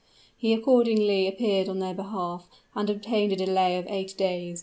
He accordingly appeared on their behalf, and obtained a delay of eight days.